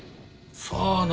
さあな。